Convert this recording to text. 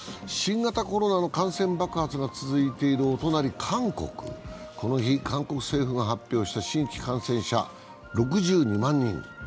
新型コロナの感染爆発が続いているお隣、韓国、この日、韓国政府が発表した新規感染者６２万人。